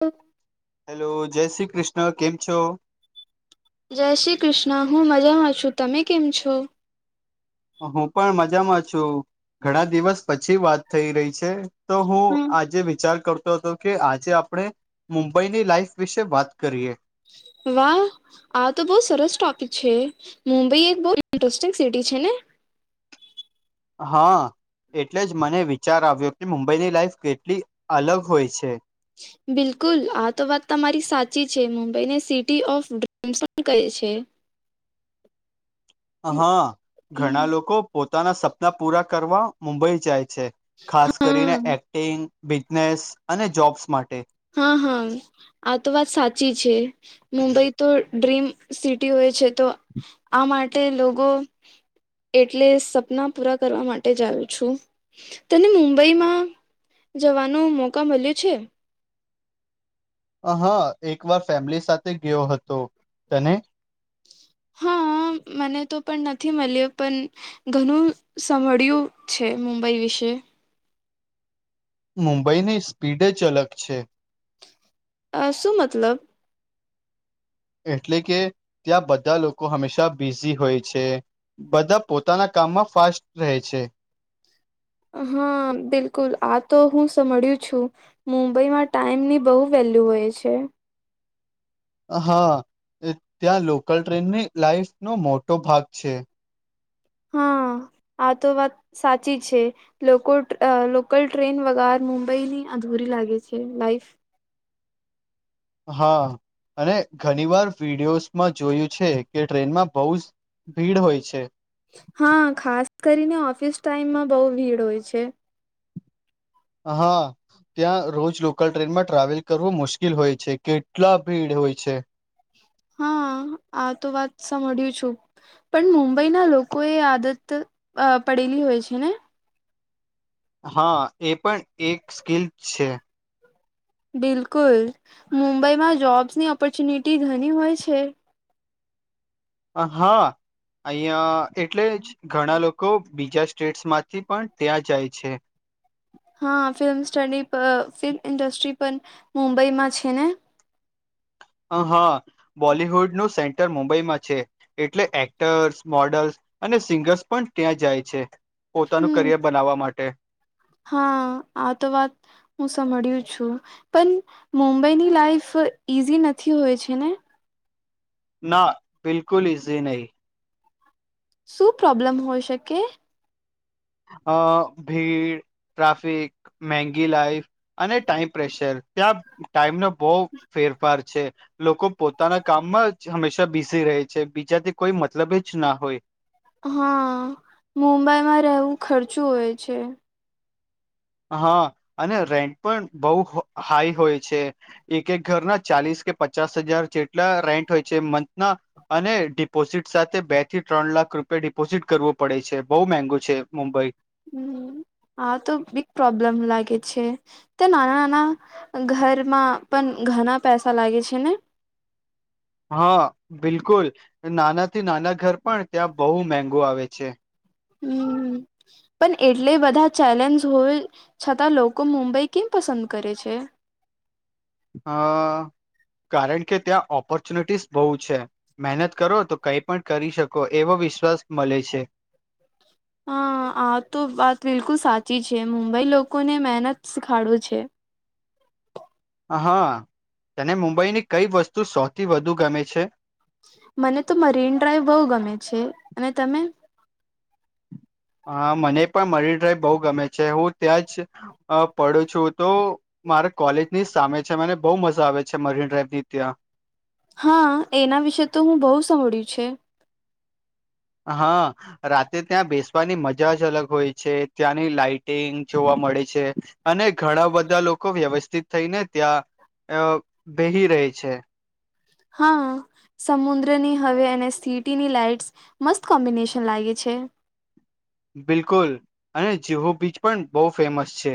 હા. હેલો જય શ્રી કૃષ્ણ કેમ છો. જય શ્રી કૃષ્ણ હું મજામાં છું તમે કેમ છો. હું પણ મજામાં છું ઘણા દિવસ પછી વાત થઈ રહી છે. તો હું હમ. આજે વિચાર કર. કેતો હતો કે આજે આપણે મુંબઈની લાઈફ વિશે વાત કરીએ. વાહ. આ તો બહુ સરસ ટોપિક છે મુંબઈ એક બહ ઇન્ટરેસ્ટિંગ સિટી છે ને. હા એટલે જ મને વિચાર આવ્યો કે મુંબઈની લાઈફ કેટલી અલગ હોય છે. બિલકુલ આ તો વાત તમારી સાચી છે મુંબઈને સિટી ઓફ ડ્રીમ્સ પણ કહે છે. હા ઘણા લોકો પોતાના સપના પૂરા કરવા. મુંબઈ જાય છે ખાસ હા કરીને એક્ટિંગ બિઝનેસ અને જોબ્સ માટે. હા હા. આ તો વાત સાચી છે મુંબઈ તો ડ્રીમ સિટી હોય છે તો આ માટે લોકો એટલે સપના પૂરા કરવા માટે જવું છું તને મુંબઈમાં જવાનો મોકા મળ્યો છે હા એક વાર ફેમિલી સાથે ગયો હતો તને હા મને તો પણ નથી મળ્યો પણ ઘણું સાભળ્યું છે મુંબઈ વિશે મુંબઈની સ્પીડ જ અલગ છે અ શું મતલબ એટલે કે ત્યાં બધા લોકો હંમેશા બિઝી હોય છે બધા પોતાના કામમાં ફાસ્ટ રહે છે હા બિલકુલ આ તો હું સાંભળ્યું છું મુંબઈમાં ટાઈમ ની બહુ વેલ્યુ હોય છે હા ત્યાં લોકલ ટ્રેનની લાઈફ નો મોટો ભાગ છે હા આ તો વાત સાચી છે લોકો અ લોકલ ટ્રેન વાર મુંબઈ ની અધૂરી લાગે છે લાઈફ હા અને ઘણી વાર વિડીયોસમાં જોયું છે કે ટ્રેનમાં બહુ જ ભીડ હોય છે હા ખાસ કરીને ઓફિસ ટાઈમમાં બહુ ભીડ હોય છે હા ત્યાં રોજ લોકલ ટ્રેનમાં ટ્રાવેલ કરવું મુશ્કેલ હોય છે કેટલા ભીડ હોય છે હા આ તો વાત સાંભળ્યું છું પણ મુંબઈના લોકો એ આદત અ પડેલી હોય છે ને હા એ પણ એક સ્કીલ છે બિલકુલ મુંબઈમાં જોબ્સની ઓપોર્ચ્યુનિટી ઘણી હોય છે હા ઐયા એટલે જ ઘણા લોકો બીજા સ્ટેટ્સ માંથી પણ ત્યાં જાય છે હા ફિલ્મ સ્ટડી ફિલ્મ ઇન્ડસ્ટ્રી પણ મુંબઈમાં છે ને હા બોલીવુડ નું સેન્ટર મુંબઈમાં છે એટલે એક્ટર્સ મોડલ્સ અને સિંગર્સ પણ ત્યાં જાય છે પોતાનું હમ કરિયર બનાવવા માટે હા આ તો વાત હું સંદળ્યું છું પણ મુંબઈની લાઈફ ઈઝી નથી હોય છે ને ના બિલકુલ ઇઝી નહી શું પ્રોબ્લેમ હોય શકે અ ભીડ ટ્રાફિક મેંગી લાઈફ અને ટાઈમ પ્રેશર ત્યાં ટાઈમનો બહું ફેરફાર છે લોકો પોતાના કામમાં જ હંમેશા બિઝી રહે છે બીજા થી કોઈ મતલબ જ ના હોય હા મુંબઈમાં રહેવું ખર્ચું હોય છે હા અને રેન્ટ પણ બહુ હાઈ હોય છે એક એક ઘરના ચાલીસ કે પચાસ હજાર જેટલા રેન્ટ હોય છે મંથના અને ડિપોઝિટ સાથે બે થી ત્રણ લાખ રૂપિયા ડિપોઝિટ કરવો પડે છે બહુ મેગું છે મુંબઈ હમ હા તો બીગ પ્રોબ્લેમ લાગે છે ત્યા નાના નાના ઘરમાં પણ ઘણા પૈસા લાગે છે ને હા બિલકુલ નાનાથી નાના ઘર પણ ત્યાં બહુ મેગો આવે છે હમ પણ એટલે બધા ચેલેન્જ હોય છતાં લોકો મુંબઈ કેમ પસંદ કરે છે? અ કારણ કે ત્યાં ઓપોર્ચ્યુનિટીસ બહુ છે મહેનત કરો તો કઈ પણ કરી શકો એવો વિશ્વાસ મળે છે હા આ તો વાત બિલકુલ સાચી છે મુંબઈ લોકોને મહેનત શીખાડો છે હા તને મુંબઈની કઈ વસ્તુ સૌથી વધુ ગમે છે મને તો મરીન ડ્રાઈવ બઉ ગમે છે અને તમે? હા મને પણ મરી ડ્રાઈવ બહુ ગમે છે હું ત્યાં જ પડું છું તો મારે કોલેજની સામે છે મને બહુ મજા આવે છે મરીન ડ્રાઈવ ની ત્યાં હા એના વિશે તો હું બહુ સાંભળ્યું છે હા રાતે ત્યાં બેસવાની મજા જ અલગ હોય છે ત્યાંની લાાઈટિંગ જોવા મળે છે અને ઘણા બધા લોકો વ્યવસ્થિત થઈને ત્યાં અ વેહી રહે છે હા સમુદ્રની હવે અને સિટીની લાાઈટ્સ મસ્ત કોમ્બિનેશન લાગે છે બિલકુલ અને જીહુ બીચ પણ બહુ ફેમસ છે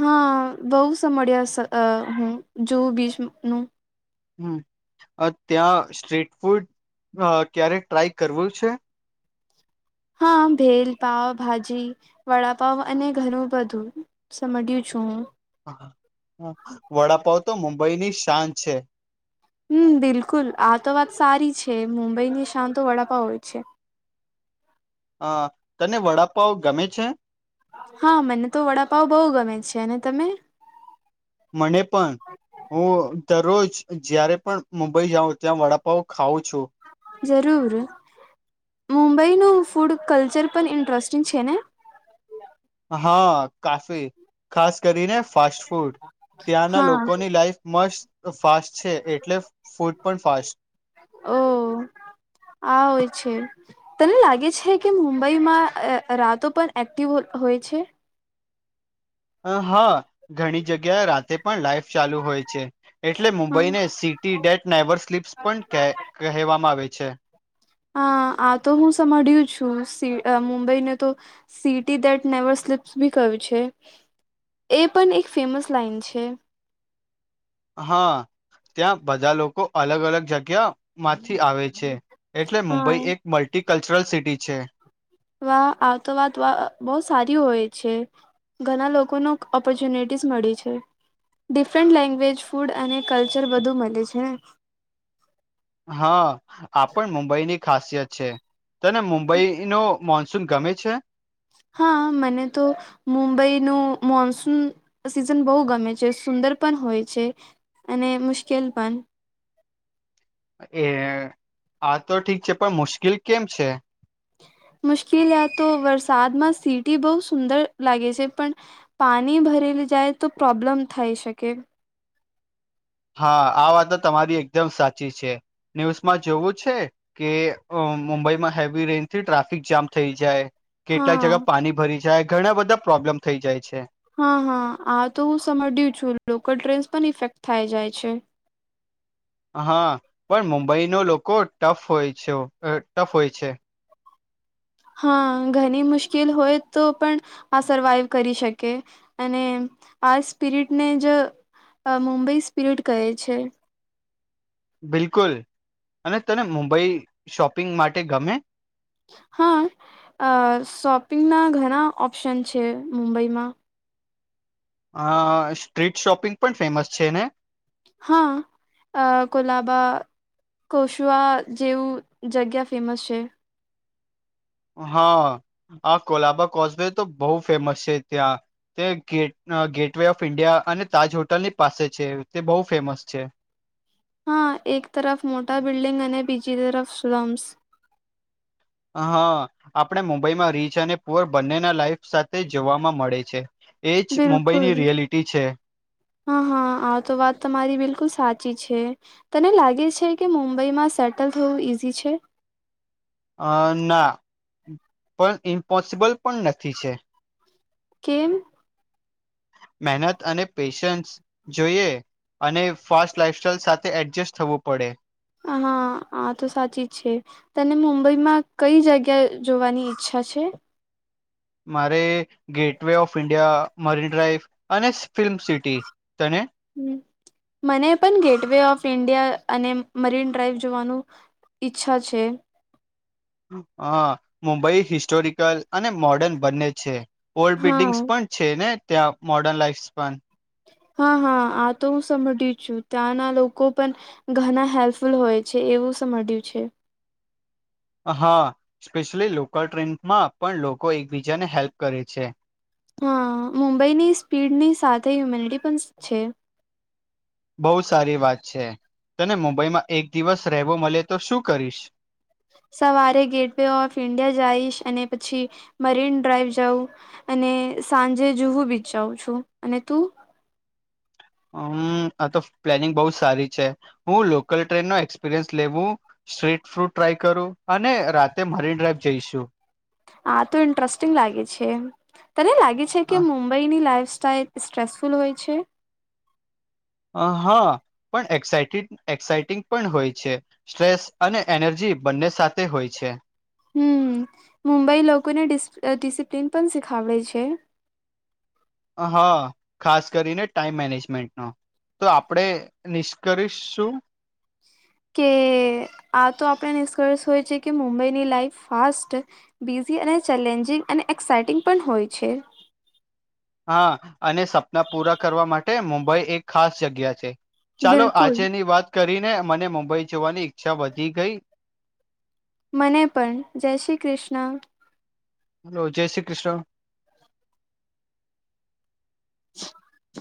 હા બઉ સમ્યા હું જોઉ બીચ નું ત્યાં સ્ટ્રીટ ફૂડ ક્યારે ટ્રાય કરવો છે? હા ભેલ પાવ ભાજી વડાપાવ અને ઘણું બધું સંભળ્યું છું હું વડાપાવ તો મુંબઈ ની શાન છે હમ બિલકુલ આ તો વાત સારી છે મુંબઈ ની શાંત વડાપાંવ જ છે અ તને વડાપાવ ગમે છે? હા મને તો વડાપાવ બહુ ગમે છે અને તમે? મને પણ હું દરરોજ જયારે પણ મુંબઈ જાઉં ત્યાં વડાપાવ ખાઉં છું જરૂર મુંબઈનું ફૂડ કલ્ચર પણ ઇન્ટરેસ્ટિંગ છે ને હા કાફી ખાસ કરીને ફાસ્ટ ફૂડ ત્યાંના હા લોકોની લાઈફ મસ્ટત ફાસ્ટ છે એટલે ફૂડ પણ ફાસ્ટ ઓહ આ હોય છે તને લાગે છે કે મુંબઈમાં રાતો પણ એક્ટિવ હોય છે હ હા ઘણી જગ્યાએ રાતે પણ લાઈફ ચાલુ હોય છે એટલે હા મુંબઈને city that never slips પણ કહેવામાં આવે છે હા આ તો હું સાંભળ્યું છું મુંબઈને તો સીટી દેટ નેવર સ્લિપ્સ બી કય્યું છે એ પણ એક ફેમસ લાઈન છે હા ત્યાં બધા લોકો અલગ અલગ જગ્યા માંથી આવે છે એટલે હા મુંબઈ એક મલ્ટી કલ્ચરલ સિટી છે વા આતો વાત બઉ સારી હોય છે ઘણા લોકોનો ઓપોર્ચ્યુનિટીસ મળી છે ડિફરન્ટ લેંગ્વેજ ફૂડ અને કલ્ચર બધું મળે છે હા આપ પણ મુંબઈ ની ખાસિયત છે તને મુંબઈ નો મોન્સૂન ગમે છે? હા મને તો મુંબઈ નું મોનસૂન સીઝન બઉ ગમે છે સુંદર પણ હોય છે અને મુશ્કેલ પણ એ આ તો ઠીક છે પણ મુશ્કેલ કેમ છે મુશ્કેલ આ તો વરસાદમાં સીટી બહુ સુંદર લાગે છે પણ પાણી ભરેલી જાય તો પ્રોબ્લેમ થાય શકે હા આ વાતો તમારી એકદમ સાચી છે ન્યૂઝમાં જોવું છે કે મુંબઈમાં હેવી રેન્જ થી ટ્રાફિક જામ થઈ જાય કેટલાક હા. જગ્યા પાણી ભરી જાય ઘણા બધા પ્રોબ્લેમ થઈ જાય છે હા હા આ તો હું સાંભળ્યું છું લોકલ ટ્રેન્સ પણ ઇફેક્ટ થાય જાય છે હા પણ મુંબઈનો લોકો ટફ હોય છે ટફ હોય છે હા ઘણી મુશ્કેલ હોય તો પણ આ સર્વાઈવ કરી શકે અને આ સ્પિરિટને જ મુંબઈ સ્પિરિટ કહે છે બિલકુલ અને તને મુંબઈ શોપિંગ માટે ગમે હા શોપિંગના ઘણા ઓપ્શન છે મુંબઈમાં હ સ્ટ્રીટ શોપિંગ પણ ફેમસ છે ને હા અ કોલાબા કોશવા જેવું જગ્યા ફેમસ છે હા હ કોલાબા કોસવે તો બહુ ફેમસ છે ત્યાં તે gate gateway of India અને તાજ હોટલ ની પાસે છે તે બહુ ફેમસ છે હા એક તરફ મોટા બિલ્ડિંગ અને બીજી તરફ સમ્સ હા આપણે મુંબઈમાં રીચ અને પુઅર બંનેના લાઈફ સાથે જોવાવામાં મળે છે એજ બિલકુલ મુંબઈની રિયાલિટી છે હા હા આ તો વાત તમારી બિલકુલ સાચી છે તને લાગે છે કે મુંબઈમાં સેટલ થવું ઈઝી છે અ ના પણ ઇમ્પોસિબલ પણ નથી છે કેમ મહેનત અને પેશન્સ જોઈએ અને ફાસ્ટ લાાઈફસ્ટાઈલ સાથે એડજસ્ટ થવું પડે હા આ તો સાચી જ છે તને મુંબઈ માં કઈ જગ્યા જોવાની ઈચ્છા છે મારે gateway of India Marine Drive અને ફિલ્મ સિટી તને હ મને પણ ગેટવે ઓફ ઇન્ડિયા અને મરીન ડ્રાઈવ જોવાનું ઈચ્છા છે હા મુંબઈ હિસ્ટોરિકલ અને મોડર્ન બંને છે ઓલ્ડ બિલ્ડિંગ્સ હા પણ છે ને ત્યાં મોર્ડર્ન લાઈફસ પણ હા હા આ તો હું સમભળ છું ત્યાંના લોકો પણ ઘણા હેલ્પફુલ હોય છે એવુંયું છે હા સ્પેશલી લોકલ ટ્રેનમાં પણ લોકો એકબીજાને હેલ્પ કરે છે હા મુંબઈની સ્પીડની સાથે હ્યુમિનિટી પણ છે બહુ સારી વાત છે તને મુંબઈમાં એક દિવસ રહેવો મળે તો શું કરીશ સવારે ગેટ વે ઓફ ઇન્ડિયા જઈશ અને પછી મરીન ડ્રાઈવ જાવું અને સાંજે જુ હું બીજઉું છું અને તું હમ આ તો પ્લાનિંગ બહ સારી છે હું લોકલ ટ્રેન નો એક્સપિરિયન્સ લેવું સ્ટ્રીટ ફ્રૂટ ટ્રાય કરું અને રાતે મરીન ડ્રાઈવ જઈશું આ તો ઇન્ટરેસ્ટિંગ લાગે છે તને લાગે છે કે મબ ભઈની લાઈઇફ સ્ટાઈલ સ્ટ્રેસફુલ હોય છે હા પણ એક્સા એક્સાઇટિંગ પણ હોય છે સ્ટ્રેસ અને એનર્જી બંને સાથે હોય છે હમ મુંબઈ લોકોને ડિસિપ્લિન પણ શીખાવડે છે હા ખાસ કરીને ટાઈમ મેનેજમેન્ટ નો તો આપણેે નિષ્કશ શું કે આ તો આપણે નિષ્કર્ષ હોય છે કે મુંબઈની લાઈફ ફાસ્ટ બિઝી અને ચેલેન્જિંગ અને એક્સઇટિંગ પણ હોય છે. હા અને સપના પૂરા કરવા માટે મુંબઈ એક ખાસ જગ્યા છે. ચાલો બિલકુલ આજે ની વાત કરી ને મને મુંબઈ જવાની ઈચ્છા વધી ગઈ. મને પણ જય શ્રી કૃષ્ણ. હલો જય શ્રી કૃષ્ણ. [inaudible]